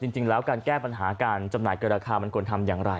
จริงแล้วการแก้ปัญหาการจำหน่ายเกินราคามันควรทำอย่างไร